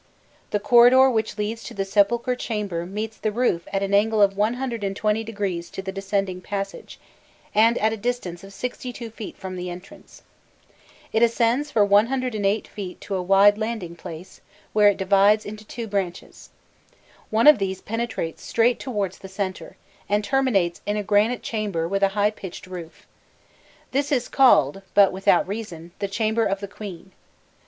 The corridor which leads to the sepulchral chamber meets the roof at an angle of 120° to the descending passage, and at a distance of 62 feet from the entrance. It ascends for 108 feet to a wide landing place, where it divides into two branches. One of these penetrates straight towards the centre, and terminates in a granite chamber with a high pitched roof. This is called, but without reason, the "Chamber of the Queen."